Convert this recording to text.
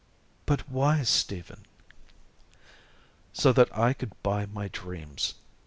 "But why, Stephen?" "So that I could buy my dreams.